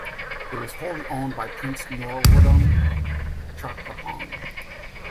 It was wholly owned by Prince Norodom Chakrapong.